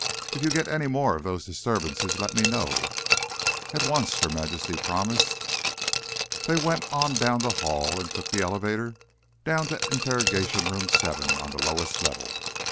"If you get any more of those disturbances, let me know." "At once," Her Majesty promised. They went on down the hall and took the elevator down to Interrogation Room 7, on the lowest level.